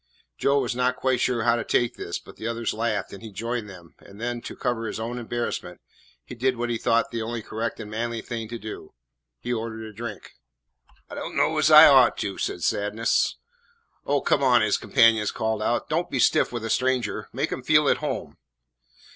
Joe was not quite sure how to take this; but the others laughed and he joined them, and then, to cover his own embarrassment, he did what he thought the only correct and manly thing to do, he ordered a drink. "I don't know as I ought to," said Sadness. "Oh, come on," his companions called out, "don't be stiff with a stranger. Make him feel at home."